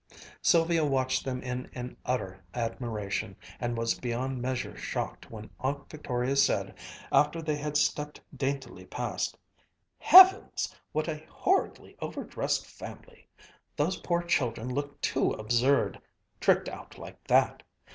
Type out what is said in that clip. Sylvia watched them in an utter admiration, and was beyond measure shocked when Aunt Victoria said, after they had stepped daintily past, "Heavens! What a horridly over dressed family! Those poor children look too absurd, tricked out like that.